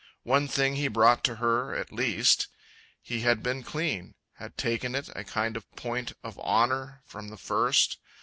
One thing he brought to her, At least. He had been clean; had taken it A kind of point of honor from the first...